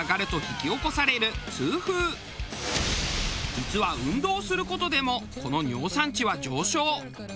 実は運動をする事でもこの尿酸値は上昇。